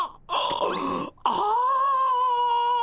ああ。